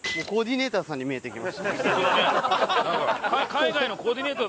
海外のコーディネーターだろ